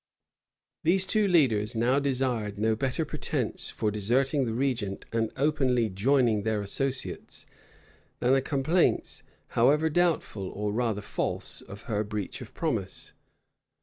These two leaders now desired no better pretence for deserting the regent and openly joining their associates, than the complaints, however doubtful, or rather false, of her breach of promise.